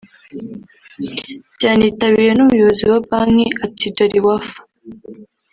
byanitabiriwe n’Umuyobozi wa Banki Attijariwafa